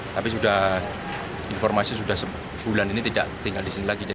tapi sudah informasi sudah sebulan ini tidak tinggal di sini lagi